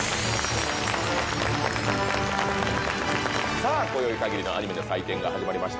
さあ今宵限りのアニメの祭典が始まりました。